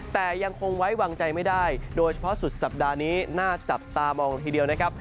แต่ยังคงไว้วางใจไม่ได้โดยเฉพาะสุดสัปดาห์นี้น่าจับตามองทีเดียวนะครับ